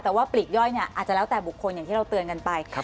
แต่ว่าปลีกย่อยเนี่ยอาจจะแล้วแต่บุคคลอย่างที่เราเตือนกันไป